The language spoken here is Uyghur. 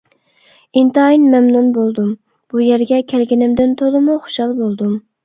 ئىنتايىن مەمنۇن بولدۇم، بۇ يەرگە كەلگىنىمدىن تولىمۇ خۇشال بولدۇم.